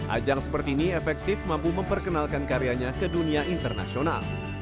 ajang seperti ini efektif mampu memperkenalkan karyanya ke dunia internasional